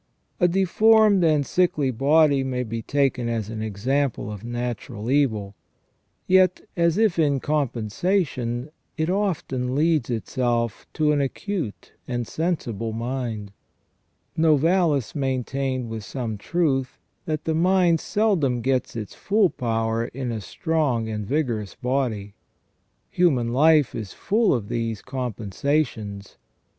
A deformed and sickly body may be taken as an example of natural evil ; yet, as if in compensation, it often lends itself to an acute and sensible mind. Novalis maintained, with some truth, that the mind seldom gets its full power in a strong and vigorous body. Human life is full of these compensations.